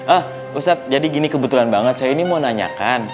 ah ustadz jadi gini kebetulan banget saya ini mau nanyakan